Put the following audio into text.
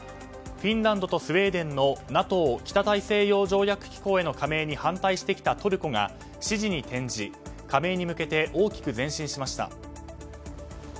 フィンランドとスウェーデンのＮＡＴＯ・北大西洋条約機構への加盟に反対してきたトルコが支持に転じ加盟に向けて大きく前進しました。